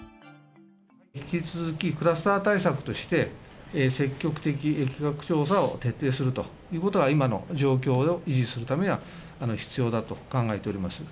引き続きクラスター対策として、積極的疫学調査を徹底するということが、今の状況を維持するためには必要だと考えております。